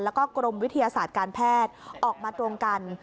แล้วก็กรมวิทยาศาสตร์การแพทย์ออกมาตรงกัน